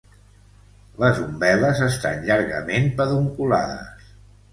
Les umbel·les estan llargament pedunculades.